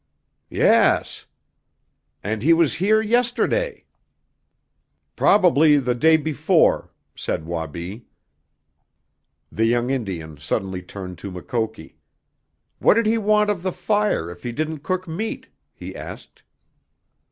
"Yes." "And he was here yesterday!" "Probably the day before," said Wabi. The young Indian turned suddenly to Mukoki. "What did he want of the fire if he didn't cook meat?" he asked.